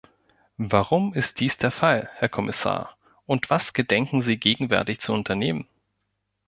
Warum ist dies der Fall, Herr Kommissar, und was gedenken Sie gegenwärtig zu unternehmen?